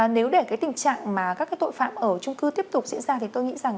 nếu để cái tình trạng mà các cái tội phạm ở trung cư tiếp tục diễn ra thì tôi nghĩ rằng